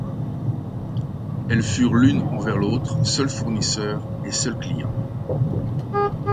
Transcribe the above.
Elles furent l'une envers l'autre, seul fournisseur et seul client.